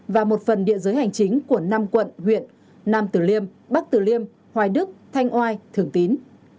và một phần địa giới hành chính của năm quận huyện nam tử liêm bắc tử liêm hoài đức thanh oai thường tín